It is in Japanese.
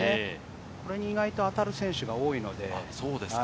これに意外と当たる選手が多いので。